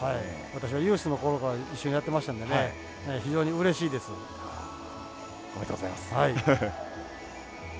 私はユースのころから一緒にやってましたのでねおめでとうございます。